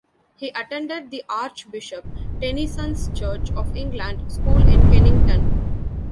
He attended the Archbishop Tenison's Church of England School in Kennington.